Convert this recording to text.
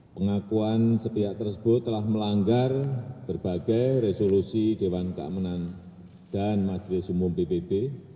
pengakuan sepihak tersebut telah melanggar berbagai resolusi dewan keamanan dan majelis umum pbb